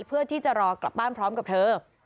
เพื่อที่จะรอกลับบ้านพร้อมกับเธอ